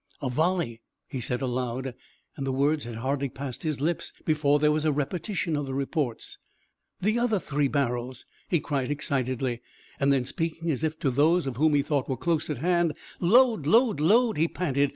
"A volley!" he said aloud, and the words had hardly passed his lips before there was a repetition of the reports. "The other three barrels!" he cried excitedly, and then, speaking as if those of whom he thought were close at hand, "Load, load, load!" he panted.